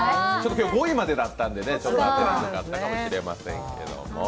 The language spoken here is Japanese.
今日は５位までだったので難しかったかもしれませんけれども。